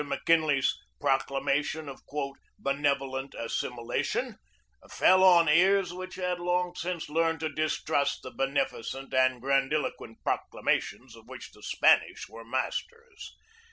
Mc Kinley's proclamation of "benevolent assimilation" fell on ears which had long since learned to distrust the beneficent and grandiloquent proclamations of which the Spanish were masters.